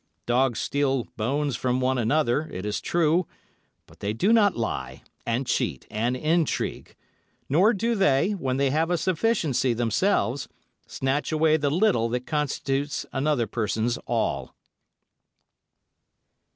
Dogs steal bones from one another, it is true, but they do not lie, and cheat, and intrigue; nor do they, when they have a sufficiency themselves, snatch away the little that constitutes another person's all.